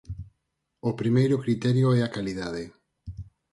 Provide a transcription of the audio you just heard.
O primeiro criterio é a calidade.